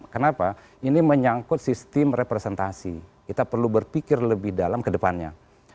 kenapa ini menyangkut sistem representasi kita perlu berpikir lebih dalam ke depannya